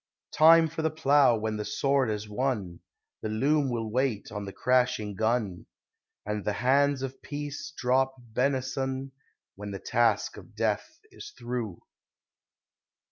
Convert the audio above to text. Time for the plough when the sword has won; The loom will wait on the crashing gun, And the hands of peace drop benison When the task of death is through.